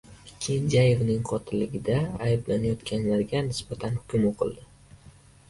Kenjayevning qotilligida ayblanayotganlarga nisbatan hukm o‘qildi